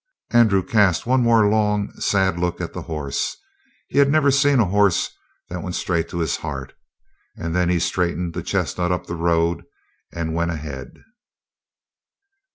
Andrew cast one more long, sad look at the horse. He had never seen a horse that went so straight to his heart, and then he straightened the chestnut up the road and went ahead.